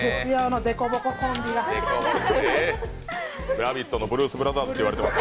「ラヴィット！」のブルースブラザーズと言われています。